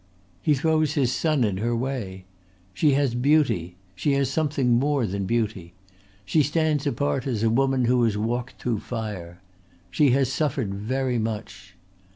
He throws his son in her way. She has beauty she has something more than beauty she stands apart as a woman who has walked through fire. She has suffered very much.